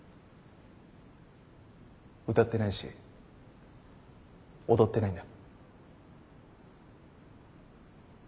歌ってないし踊ってないんだ。